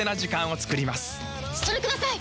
それください！